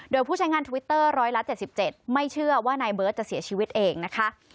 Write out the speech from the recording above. โดยผู้ใช้งานทวิตเตอร์ร้อยละ๗๗ไม่เชื่อว่านายเบิร์ตจะเสียชีวิตเองนะคะ